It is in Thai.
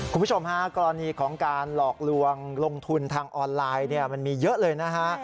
คุณผู้ชมฮะกรณีของการหลอกลวงลงทุนทางออนไลน์เนี่ยมันมีเยอะเลยนะฮะ